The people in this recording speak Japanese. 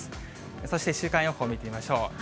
そして週間予報見てみましょう。